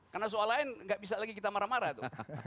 karena soal lain tidak bisa lagi kita marah marah